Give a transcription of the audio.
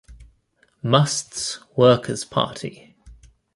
Muste's Workers Party.